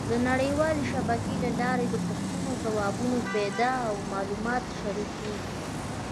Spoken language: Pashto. د نړیوالې شبکې له لارې د پوښتنو ځوابونه پیدا او معلومات شریکېږي.